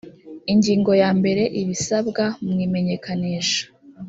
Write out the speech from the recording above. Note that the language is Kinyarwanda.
ingingo yambere ibisabwa mu imenyekanisha